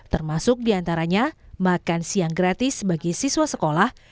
termasuk diantaranya makan siang gratis bagi siswa sekolah